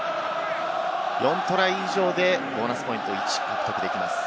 ４トライ以上でボーナスポイント１を獲得できます。